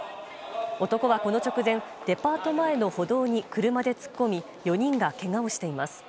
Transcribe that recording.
男はこの直前デパート前の歩道に車で突っ込み４人がけがをしています。